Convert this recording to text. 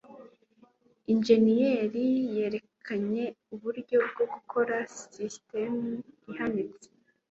injeniyeri yerekanye uburyo bwo gukora sisitemu ihanitse